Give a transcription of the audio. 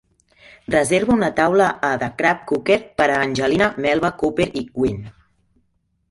reserva una taula a The Crab Cooker ara per a Angelina, Melva Cooper i Gwen